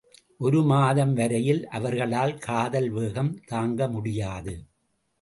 ஒரு மாதம் வரையில் அவர்களால் காதல் வேகம் தாங்கமுடியாது!